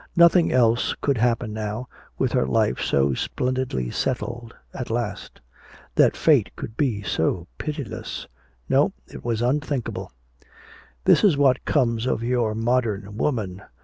Nothing else could happen now, with her life so splendidly settled at last. That Fate could be so pitiless no, it was unthinkable! "This is what comes of your modern woman!"